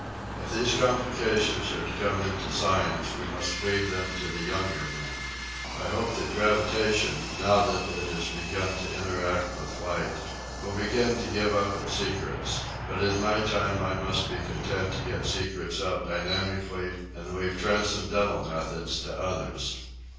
If these complications are to come into science we must leave them to the younger men. I hope that gravitation, now that it has begun to inter act with light, will begin to give up its secrets, but in my time I must be content to get secrets out dynami cally and leave transcendental methods to others."